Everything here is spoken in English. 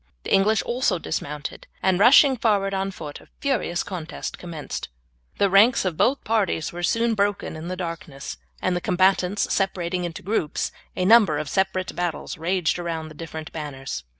The English also dismounted and rushing forward on foot a furious contest commenced. The ranks of both parties were soon broken in the darkness, and the combatants separating into groups a number of separate battles raged around the different banners.